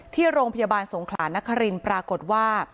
ที่โรงพยาบาลสงขลานครินทร์ปรากฏว่า